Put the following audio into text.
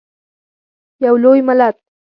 یو لوی ملت.